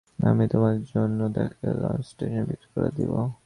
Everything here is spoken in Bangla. আমি তোমার জন্য তাকে লন্সেস্টনে বিক্রি করে দিব।